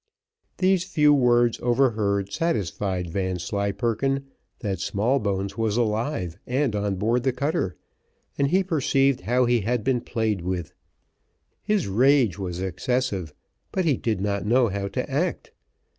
These few words overheard, satisfied Vanslyperken that Smallbones was alive and on board the cutter; and he perceived how he had been played with. His rage was excessive, but he did not know how to act.